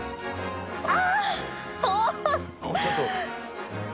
ああ！